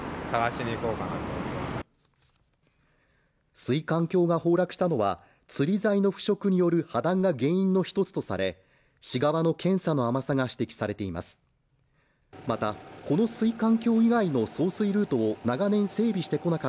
水管橋が崩落したのはつり材の腐食による破断が原因の一つとされ、市側の検査の甘さが指摘されています。